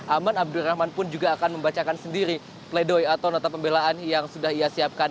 aman abdurrahman pun juga akan membacakan sendiri pledoi atau nota pembelaan yang sudah ia siapkan